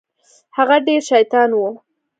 هغه ډېر شيطان و.